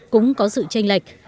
cũng có sự tranh lệch